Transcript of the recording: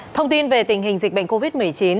thông tin về tình hình dịch bệnh covid một mươi chín